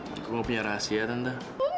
aku mau punya rahasia tante